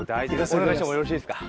お願いしてもよろしいですか？